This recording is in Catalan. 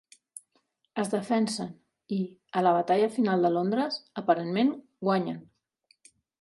Es defensen i, a la batalla final de Londres, aparentment guanyen.